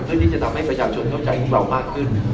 เพื่อที่จะทำให้ประชาชนเข้าใจพวกเรามากขึ้น